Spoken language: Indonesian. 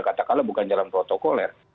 katakanlah bukan jalan protokoler